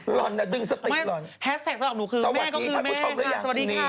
ร้อนนะดึงสติร้อนสวัสดีค่ะคุณผู้ชมหรือยังสวัสดีค่ะแฮชแท็กสำหรับหนูคือแม่ก็คือแม่ค่ะสวัสดีค่ะ